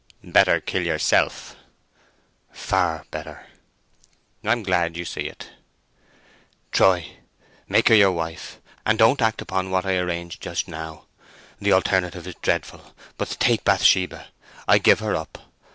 "Better kill yourself." "Far better." "I'm glad you see it." "Troy, make her your wife, and don't act upon what I arranged just now. The alternative is dreadful, but take Bathsheba; I give her up!